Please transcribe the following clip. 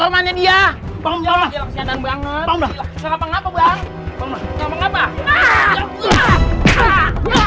kamu teringat taiapa dengan saya atau tidak